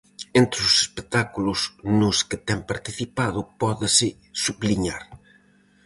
Entre os espectáculos nos que ten participado, pódese subliñar.